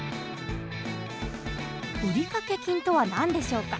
売掛金とは何でしょうか。